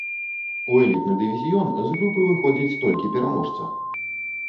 У элітны дывізіён з групы выходзіць толькі пераможца.